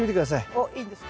あっいいですか。